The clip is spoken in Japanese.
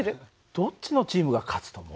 どっちのチームが勝つと思う？